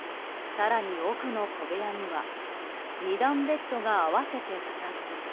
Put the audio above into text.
更に奥の小部屋には２段ベッドが合わせて２つ。